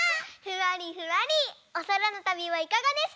ふわりふわりおそらのたびはいかがですか？